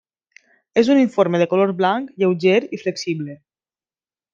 És un uniforme de color blanc, lleuger i flexible.